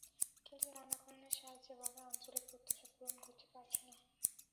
কিন্তু নানা কারণে সার্ক সেভাবে আঞ্চলিক প্রত্যাশা পূরণ করতে পারছে না।